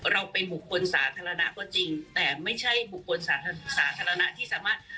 เราเป็นบุคคลสาธารณะก็จริงแต่ไม่ใช่บุคคลสาธารณะที่สามารถ